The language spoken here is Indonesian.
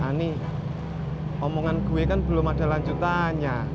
ini omongan gue kan belum ada lanjutannya